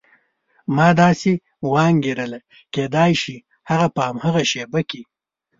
ما داسې وانګېرله کېدای شي هغه په هماغه شېبه کې.